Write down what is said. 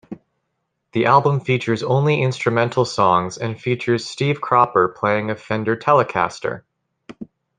The album features only instrumental songs and features Steve Cropper playing a Fender Telecaster.